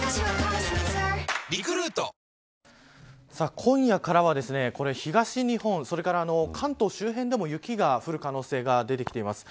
今夜からは東日本それから関東周辺でも雪が降る可能性が出てきています。